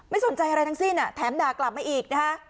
ไม่สนใจอะไรทั้งสิ้นแถมด่ากลับมาอีก